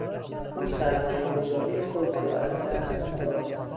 او سرمایهگذاری خود را از دست داد.